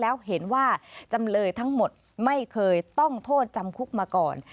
แล้วเห็นว่าจำเลยทั้งหมดไม่เคยต้องโทษจำคุกมาก่อน